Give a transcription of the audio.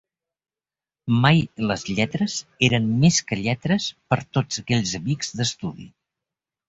Mai les lletres eren més que lletres per tots aquells amics d'estudi.